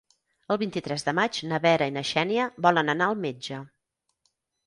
El vint-i-tres de maig na Vera i na Xènia volen anar al metge.